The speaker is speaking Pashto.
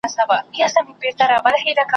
کله کله ځان ترې ورک سي چي غلام دی `